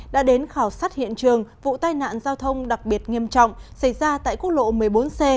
đã đến khảo sát hiện trường vụ tai nạn giao thông đặc biệt nghiêm trọng xảy ra tại quốc lộ một mươi bốn c